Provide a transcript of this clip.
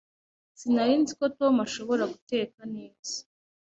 Sinari nzi ko Tom ashobora guteka neza.